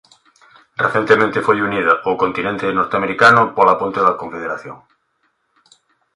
Recentemente foi unida ao continente norteamericano polo Ponte da Confederación.